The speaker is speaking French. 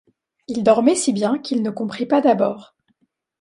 Il dormait si bien qu’il ne comprit pas d’abord.